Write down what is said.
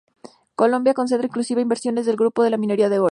Colombia concentra inclusive inversiones del Grupo en la minería de oro.